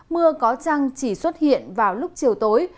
mưa có trăng chỉ xuất hiện vào lúc chiều tối